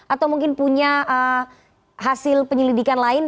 atau mungkin punya hasil penyelidikan lain